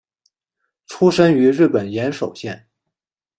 出身于日本岩手县。